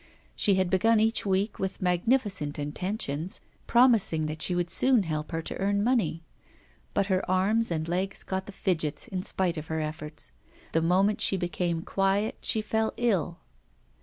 She had begun each week with magnificent intentions, promising that she would soon help her to earn money; but her arms and legs got the fidgets, in spite of her efforts; the moment she became quiet she fell ill.